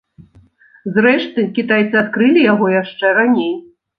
Зрэшты, кітайцы адкрылі яго яшчэ раней.